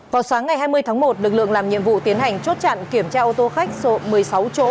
vào sáng ngày hai mươi tháng một lực lượng làm nhiệm vụ tiến hành chốt chặn kiểm tra ô tô khách số một mươi sáu chỗ